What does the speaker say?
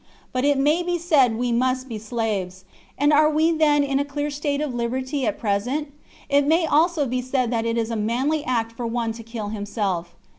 But it may be said we must be slaves. And are we then in a clear state of liberty at present? It may also be said that it is a manly act for one to kill himself.